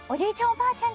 おばあちゃん